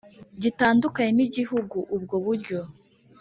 Gitandukanye n igihugu ubwo buryo